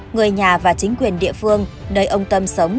người nhà và chính quyền địa phương nơi ông tâm sống